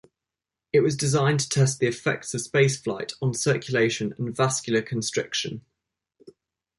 It was designed to test the effects of spaceflight on circulation and vascular constriction.